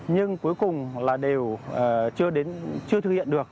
nhưng cuối cùng là đều chưa đến chưa thực hiện được